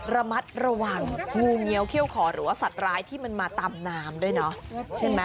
ระมัดระวังงูเงี้ยวเขี้ยวขอหรือว่าสัตว์ร้ายที่มันมาตามน้ำด้วยเนาะใช่ไหม